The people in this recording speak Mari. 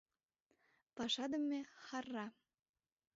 Пашадыме хӓрра.